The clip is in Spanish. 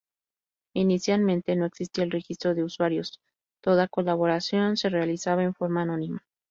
Inicialmente, no existía el registro de usuarios; toda colaboración se realizaba en forma anónima.